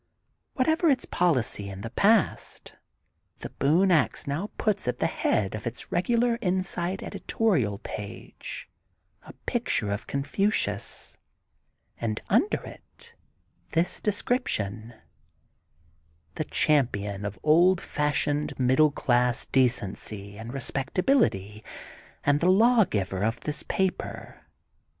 Whatever its policy in the past The Boone Ax now puts at the head of its regular inside editorial page a picture of Confucius, and under it this description:— 'The champion of old fashioned, middle class decency and respectability, and the lawgiver for this paper.